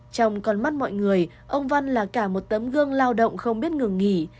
trong con mắt mọi người ông văn là cả một tấm gương lao động không biết ngừng nghỉ